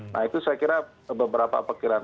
nah itu saya kira beberapa pikiran